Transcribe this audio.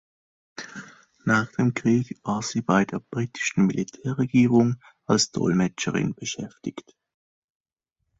Nach dem Krieg war sie bei der britischen Militärregierung als Dolmetscherin beschäftigt.